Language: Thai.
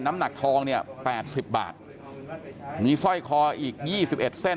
น้ำหนักทองเนี่ยแปดสิบบาทมีสร้อยคออีกยี่สิบเอ็ดเส้น